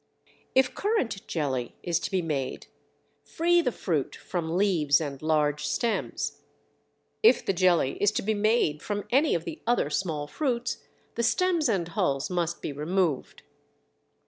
If currant jelly is to be made, free the fruit from leaves and large stems. If the jelly is to be made from any of the other small fruits, the stems and hulls must be removed.